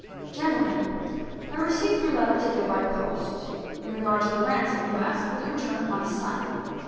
Gentlemen:_ I received your letter to day by post, in regard to the ransom you ask for the return of my son.